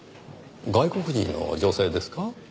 外国人の女性ですか？